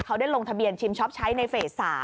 เขาได้ลงทะเบียนชิมช็อปใช้ในเฟส๓